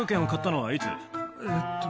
えっと。